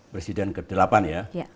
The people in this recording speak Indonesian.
presiden ke delapan ya